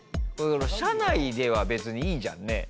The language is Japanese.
社内では別にいいじゃんね。